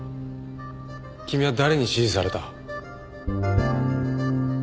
君は誰に指示された？